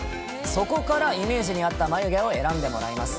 そこからイメージに合った眉毛を選んでもらいます。